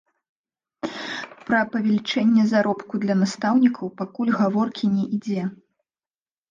Пра павелічэнне заробку для настаўнікаў пакуль гаворкі не ідзе.